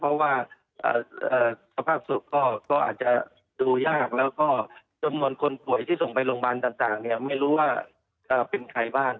เพราะว่าสภาพศพก็อาจจะดูยากแล้วก็จำนวนคนป่วยที่ส่งไปโรงพยาบาลต่างเนี่ยไม่รู้ว่าเป็นใครบ้าง